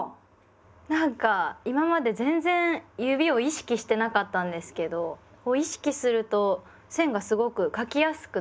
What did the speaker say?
なんか今まで全然指を意識してなかったんですけど意識すると線がすごく書きやすくなりました。